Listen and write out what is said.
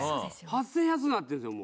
８０００円安うなってんですよ